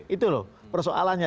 itu loh persoalannya